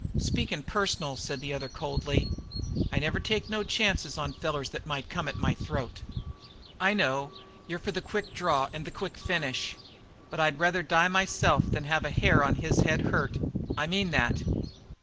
"Speakin' personal," said the other coldly, "I never take no chances on fellers that might come at my throat." "I know; you're for the quick draw and the quick finish. But I'd rather die myself than have a hair of his head hurt. I mean that!"